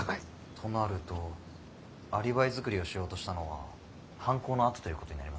となるとアリバイ作りをしようとしたのは犯行のあとということになりますね。